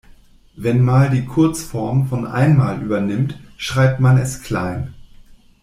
Wenn mal die Kurzform von einmal übernimmt, schreibt man es klein.